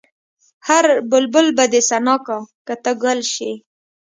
هر بلبل به دې ثنا کا که ته ګل شې.